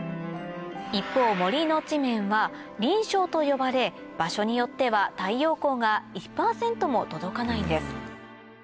一方森の地面は林床と呼ばれ場所によっては太陽光が１％も届かないんです